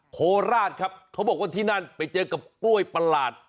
โคราชครับเขาบอกว่าที่นั่นไปเจอกับกล้วยประหลาด